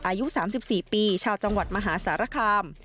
อายุ๓๔ปีชาวจังหวัดมหาสารคาม